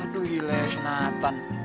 aduh gila ya senatan